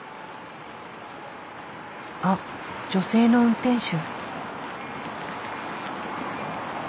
あっ女性の運転手。